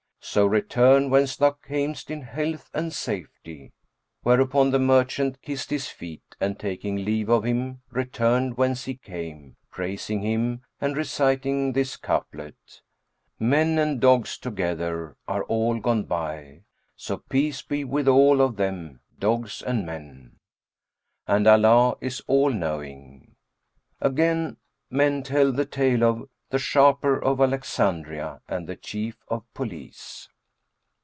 So return whence thou camest in health and safety."[FN#395] Whereupon the merchant kissed his feet and taking leave of him, returned whence he came, praising him and reciting this couplet, "Men and dogs together are all gone by, * So peace be with all of them! dogs and men!' And Allah is All knowing! Again men tell the tale of THE SHARPER OF ALEXANDRIA AND THE CHIEF OF POLICE.